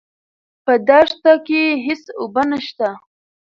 په دښته کې هېڅ اوبه نشته.